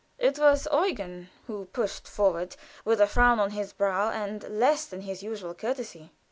It was Eugen who pushed forward, with a frown on his brow, and less than his usual courtesy.